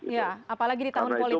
ya apalagi di tahun politik seperti ini